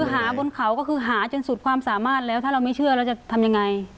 หาบนเขาก็คือหาจนสุดความสามารถแล้วถ้าเราไม่เชื่อเราจะทำยังไง